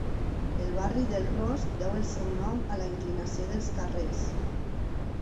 El barri del Rost deu el seu nom a la inclinació dels carrers.